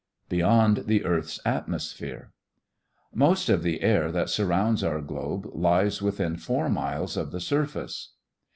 BEYOND THE EARTH'S ATMOSPHERE Most of the air that surrounds our globe lies within four miles of the surface.